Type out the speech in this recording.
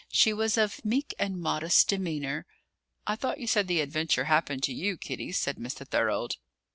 She was of meek and modest demeanour '" "I thought you said the adventure happened to you, Kitty," said Mr. Thorold.